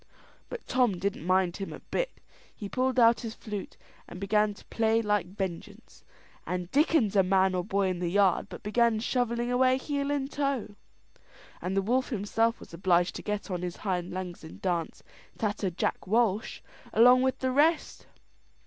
But Tom didn't mind him a bit. He pulled out his flute and began to play like vengeance; and dickens a man or boy in the yard but began shovelling away heel and toe, and the wolf himself was obliged to get on his hind legs and dance "Tatther Jack Walsh," along with the rest.